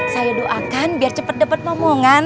saya doakan biar cepet cepet ngomongan